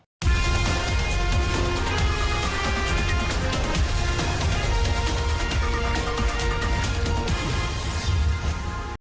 โปรดติดตามตอนต่อไป